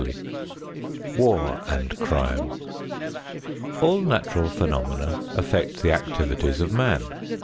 XXIX WAR AND CRIME All natural phenomena affect the activities of man.